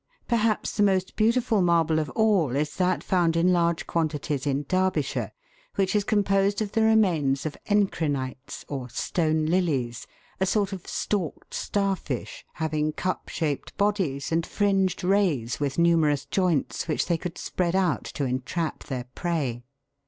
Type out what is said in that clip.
Perhaps the most beautiful marble of all is that found in large quantities in Derbyshire, which is composed of the remains of encrinites, or stone lilies, a sort of stalked star fish, having cup shaped bodies and fringed rays with numerous joints which they could spread out to entrap their prey.